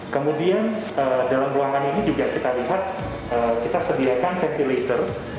kemudian dalam ruangan ini juga kita lihat kita sediakan ventilator